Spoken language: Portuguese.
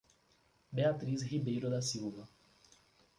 Beatriz Ribeiro da Silva